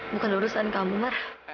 bukan urusan kamu mar